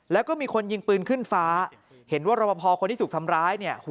แล้วก็มีคนยิงปืนขึ้นฟ้าเห็นว่ารบพอคนที่ถูกทำร้ายเนี่ย